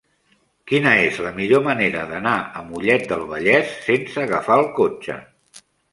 Quina és la millor manera d'anar a Mollet del Vallès sense agafar el cotxe?